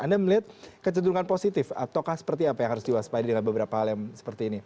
anda melihat kecenderungan positif ataukah seperti apa yang harus diwaspadai dengan beberapa hal yang seperti ini